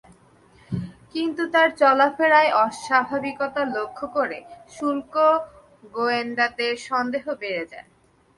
কিন্তু তাঁর চলাফেরায় অস্বাভাবিকতা লক্ষ করে শুল্ক গোয়েন্দাদের সন্দেহ বেড়ে যায়।